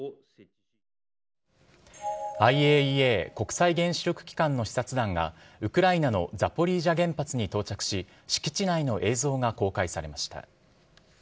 ＩＡＥＡ・国際原子力機関の視察団がウクライナのザポリージャ原発に到着し敷地内の映像が公開されました。